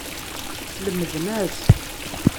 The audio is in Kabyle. Slemden-as.